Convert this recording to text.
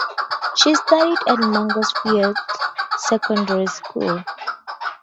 She studied at Mangotsfield Secondary school.